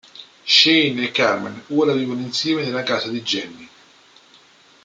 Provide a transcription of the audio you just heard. Shane e Carmen ora vivono insieme, nella casa di Jenny.